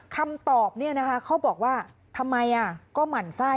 คำตอบเขาบอกว่าทำไมก็หมั่นไส้